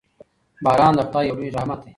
باران د خدای یو لوی رحمت دی.